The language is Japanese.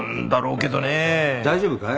大丈夫かい？